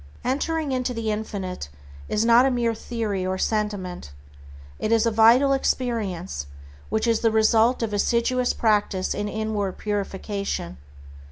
Entering into the Infinite is not a mere theory or sentiment. It is a vital experience which is the result of assiduous practice in inward purification.